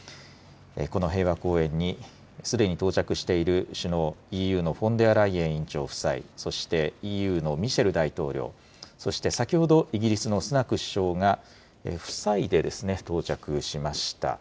この平和公園に、すでに到着している首脳、ＥＵのフォンデアライエン委員長夫妻、そしてＥＵのミシェル大統領、そして先ほどイギリスのスナク首相が夫妻で到着しました。